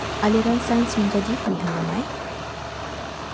Aliran Sains menjadi pilihan ramai.